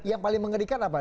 yang paling mengerikan apa